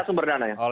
iya sumber dananya